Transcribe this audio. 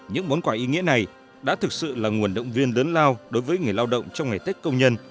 những món quà ý nghĩa này đã thực sự là nguồn động viên lớn lao đối với người lao động trong ngày tết công nhân